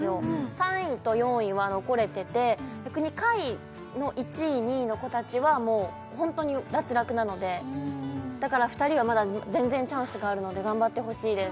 ３位と４位は残れてて逆に下位の１位２位の子達はもう本当に脱落なのでだから２人はまだ全然チャンスがあるので頑張ってほしいです